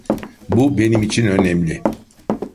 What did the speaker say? Bu benim için önemli.